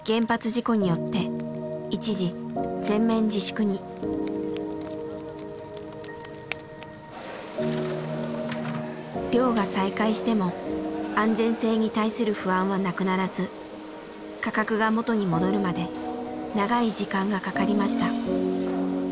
福島の漁業は漁が再開しても安全性に対する不安はなくならず価格が元に戻るまで長い時間がかかりました。